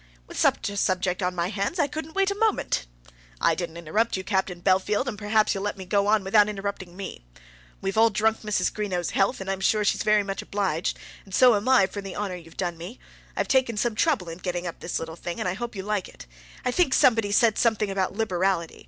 "With such a subject on my hands, I couldn't wait a moment." "I didn't interrupt you, Captain Bellfield, and perhaps you'll let me go on without interrupting me. We've all drunk Mrs. Greenow's health, and I'm sure she's very much obliged. So am I for the honour you've done me. I have taken some trouble in getting up this little thing, and I hope you like it. I think somebody said something about liberality.